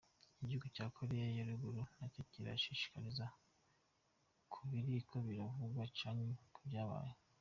Igihugu ca Korea ya ruguru ntaco kirashikiriza ku biriko biravugwa canke ku vyabaye.